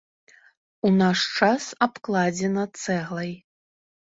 У наш час абкладзена цэглай.